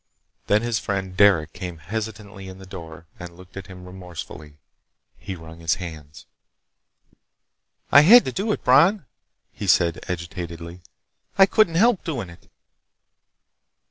Then his friend Derec came hesitantly in the door and looked at him remorsefully. He wrung his hands. "I had to do it, Bron," he said agitatedly. "I couldn't help doing it!"